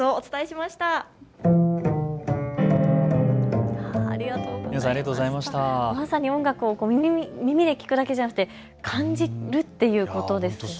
まさに音楽を耳で聞くだけではなくて感じるということですね。